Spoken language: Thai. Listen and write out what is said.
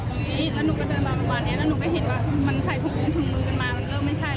แล้วหนูก็เห็นว่ามันใส่ผงผงมือกันมามันเริ่มไม่ใช่แล้ว